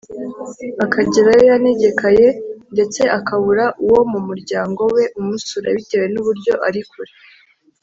akagerayo yanegekaye ndetse akabura uwo mu muryango we umusura bitewe n’uburyo ari kure